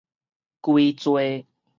歸罪